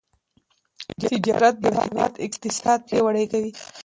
تجارت د هیواد اقتصاد پیاوړی کوي.